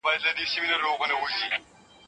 په رباب کي بم او زیر را سره خاندي